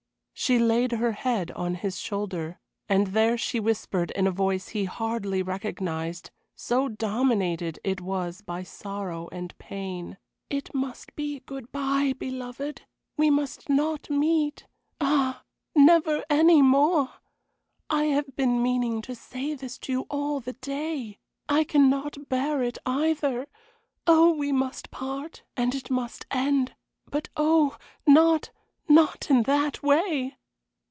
She laid her head on his shoulder, and there she whispered in a voice he hardly recognized, so dominated it was by sorrow and pain: "It must be good bye, beloved; we must not meet. Ah! never any more. I have been meaning to say this to you all the day. I cannot bear it either. Oh, we must part, and it must end; but oh, not not in that way!"